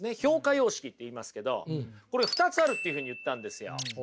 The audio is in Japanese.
様式って言いますけどこれ２つあるっていうふうに言ったんですよ。